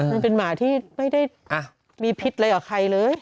มันเป็นหมาที่ไม่ได้มีพิษอะไรกับใครเลย